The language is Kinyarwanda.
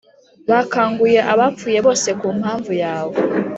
Bakanguye abapfuye bose ku mpamvu yawe,